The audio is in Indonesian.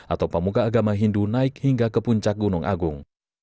atau pemuka agama hindu naik hingga ke puncak gunung agung